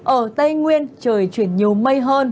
ở tây nguyên trời chuyển nhiều mây hơn